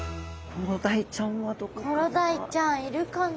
コロダイちゃんいるかな？